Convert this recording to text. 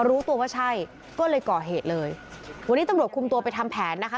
รู้ตัวว่าใช่ก็เลยก่อเหตุเลยวันนี้ตำรวจคุมตัวไปทำแผนนะคะ